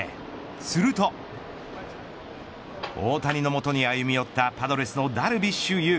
すると大谷の元に歩み寄ったパドレスのダルビッシュ有。